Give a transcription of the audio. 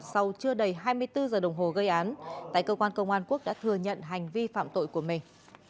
sau chưa đầy hai mươi bốn giờ đồng hồ gây án tại cơ quan công an quốc đã thừa nhận hành vi phạm tội của mình